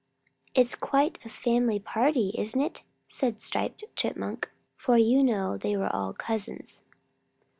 "It's quite a family party, isn't it?" said Striped Chipmunk, for you know they are all cousins.